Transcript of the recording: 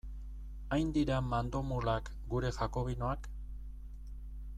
Hain dira mandomulak gure jakobinoak?